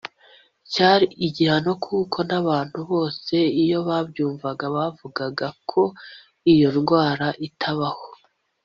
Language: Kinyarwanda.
Cyari igihano kuko n’abantu bose iyo babyumvaga bavugaga ko iyo ndwara itabaho